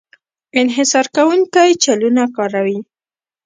انحصار کوونکی چلونه کاروي.